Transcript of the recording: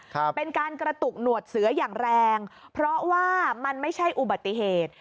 ครับเป็นการกระตุกหนวดเสืออย่างแรงเพราะว่ามันไม่ใช่อุบัติเหตุ